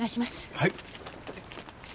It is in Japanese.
はい。